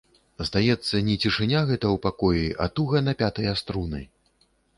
Здаецца, не цішыня гэта ў пакоі, а туга напятыя струны.